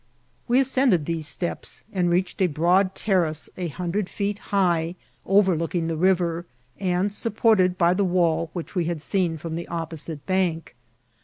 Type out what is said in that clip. We ascended these steps, and reached a broad terrace a hundred feet high, over looking the river, and supported by the wall which we had seen from the opposite bank.